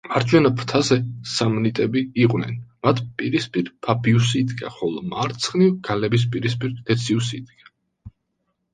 მარჯვენა ფრთაზე სამნიტები იყვნენ, მათ პირისპირ ფაბიუსი იდგა, ხოლო მარცხნივ გალების პირისპირ დეციუსი იდგა.